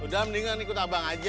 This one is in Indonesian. udah mendingan ikut abang aja